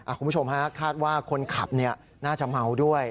คุณผู้ชมฮะคาดว่าคนขับน่าจะเมาด้วย